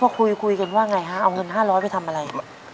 พอคุยกันว่ากันเอา๕๐๐ไปทำอะไร